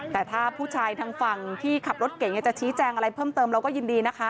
แต่ถ้าผู้ชายทางฝั่งที่ขับรถเก่งจะชี้แจงอะไรเพิ่มเติมเราก็ยินดีนะคะ